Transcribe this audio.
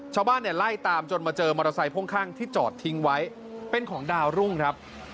ชาวบ้านเนี่ยไล่ตามจนมาเจอมอเตอร์ไซค์พ่วงข้างที่จอดทิ้งไว้เป็นของดาวรุ่งครับ